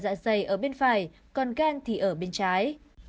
trái tim và dạ dày ở bên phải còn gan thì ở bên trái